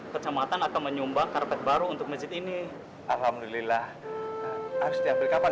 kecamatan atau menyumbang karpet baru untuk masjid ini alhamdulillah harus diambil kapan